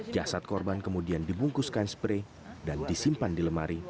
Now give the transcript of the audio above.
jasad korban kemudian dibungkuskan spray dan disimpan di lemari